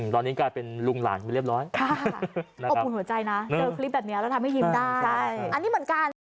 ตอนนี้กลายเป็นลุงหลานไม่เรียบร้อยขอบคุณหัวใจนะเจอคลิปแบบนี้แล้วทำให้ยิ้มได้